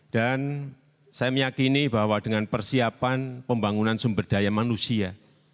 dan saya meyakini bahwa dengan persiapan pembangunan sumber daya manusia